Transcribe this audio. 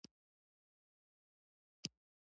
ژبې د افغانستان د شنو سیمو ښکلا ده.